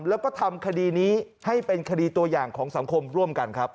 แล้วก็ทำคดีนี้ให้เป็นคดีตัวอย่างของสังคมร่วมกันครับ